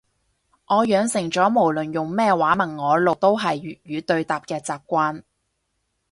我養成咗無論用咩話問我路都係粵語對答嘅習慣